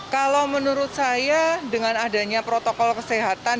kalau menurut saya dengan adanya protokol kesehatan